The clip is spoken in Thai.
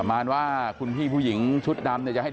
เอาไว้เอาไว้